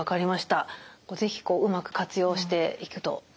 是非うまく活用していくといいなあと思いました。